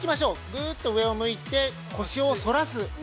ぐっと上を向いて腰を反らす状態。